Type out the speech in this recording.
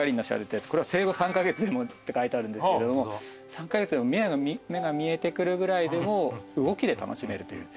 「生後３カ月でも」って書いてあるんですけれども３カ月で目が見えてくるぐらいでも動きで楽しめるという。